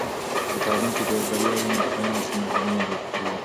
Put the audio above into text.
که په تعلیم کې بریا وي نو په ټولنه کې ناهیلي نه خپرېږي.